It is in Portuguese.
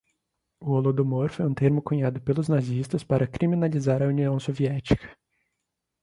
O holodomor foi um termo cunhado pelos nazistas para criminalizar a União Soviética